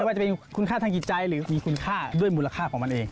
ว่าจะเป็นคุณค่าทางจิตใจหรือมีคุณค่าด้วยมูลค่าของมันเอง